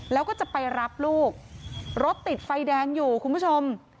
แล้วก็จะไปรับลูกรถติดไฟแดงอยู่คุณผู้ชม